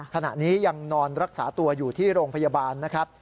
ขณะนี้ยังนอนรักษาตัวอยู่ที่โรงพยาบาลนะครับ